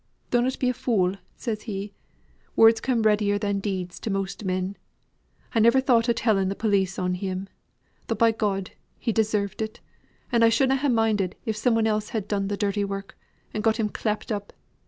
'Dunnot be a fool,' says he, 'words come readier than deeds to most men. I never thought o' telling th' police on him; though by G , he deserves it, and I should na' ha' minded if some one else had done the dirty work, and got him clapped up.